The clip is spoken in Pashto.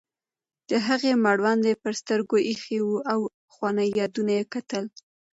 د هغې مړوند پر سترګو ایښی و او پخواني یادونه یې کتل.